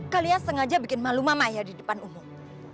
kalian sengaja bikin malu mama ya di depan umum